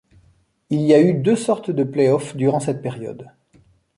Il y a eu deux sortes de playoffs durant cette période.